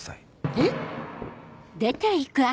えっ？